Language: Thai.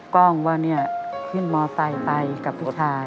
กล้องว่าเนี่ยขึ้นมอไซค์ไปกับผู้ชาย